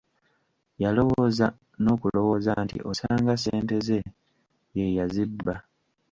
Yalowooza n'okulowooza nti osanga ssente ze ye yazibba.